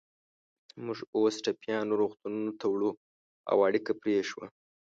موږ اوس ټپیان روغتونونو ته وړو، او اړیکه پرې شوه.